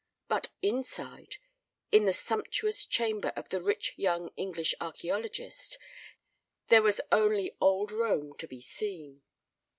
But inside, in the sumptuous chamber of the rich young English archaeologist, there was only old Rome to be seen.